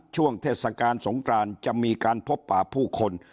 ช่วงเทศกาลสงกรานจะมีการพบป่าผู้คน